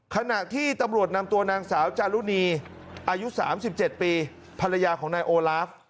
ขณะที่ตำรวจนำตัวนางสาวจารุณีอายุ๓๗ปีภรรยาของนายโอลาฟ